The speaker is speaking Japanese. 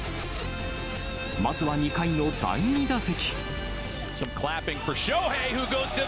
まずは２回の第２打席。